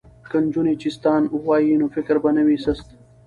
که نجونې چیستان ووايي نو فکر به نه وي سست.